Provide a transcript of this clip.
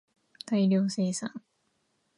大量生産